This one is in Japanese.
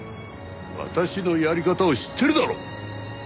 私のやり方を知ってるだろう！